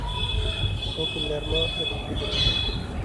بۇ كۈنلەرمۇ ئۆتۈپ كېتىدۇ.